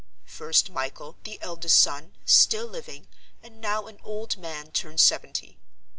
First, Michael, the eldest son, still living, and now an old man turned seventy.